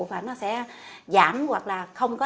và nó sẽ giảm hoặc là không có